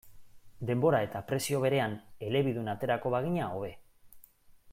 Denbora eta prezio berean elebidun aterako bagina, hobe.